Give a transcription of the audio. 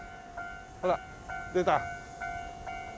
ほら出た。